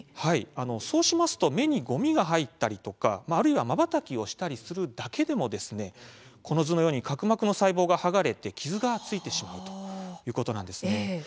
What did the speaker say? そうしますと目に、ごみが入ったりとかあるいはまばたきをしたりするだけでもこの図のように角膜の細胞が剥がれて傷がついてしまうということなんです。